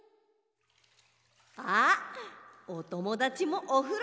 あっおともだちもおふろだ！